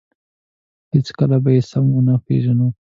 هېڅکله به یې سم ونه پېژنو.